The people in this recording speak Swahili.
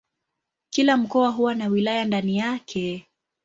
Kila mkoa huwa na wilaya ndani yake.